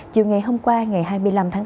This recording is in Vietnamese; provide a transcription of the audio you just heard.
chiều ngày hôm qua ngày hai mươi năm tháng bốn